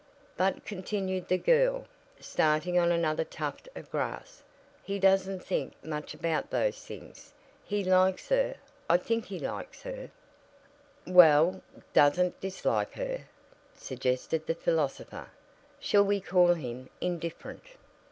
"But," continued the girl, starting on another tuft of grass, "he doesn't think much about those things. He likes her. I think he likes her " "Well, doesn't dislike her?" suggested the philosopher. "Shall we call him indifferent?"